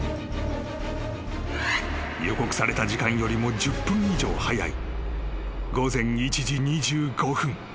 ［予告された時間よりも１０分以上早い］